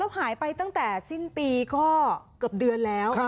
หายไปตั้งแต่สิ้นปีก็เกือบเดือนแล้ว